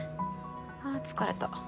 ああ疲れた。